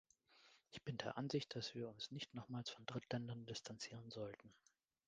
Ich bin der Ansicht, dass wir uns nicht nochmals von Drittländern distanzieren sollten.